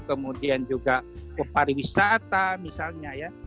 kemudian juga ke pariwisata misalnya ya